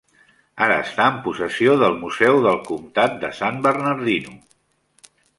Ara està en possessió del Museu del Comtat de San Bernardino.